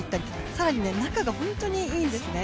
更に仲が本当にいいんですね。